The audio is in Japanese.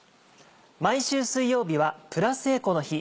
毎週水曜日はプラスエコの日。